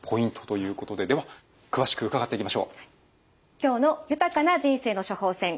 今日の「豊かな人生の処方せん」